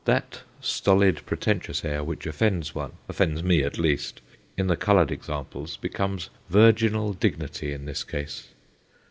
That stolid pretentious air which offends one offends me, at least in the coloured examples, becomes virginal dignity in this case.